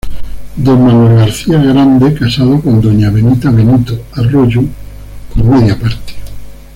D. Manuel García Grande casado con doña Benita Benito Arroyo con media parte.